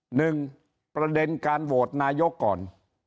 หนึ่งประเด็นการโหวตนายกก่อน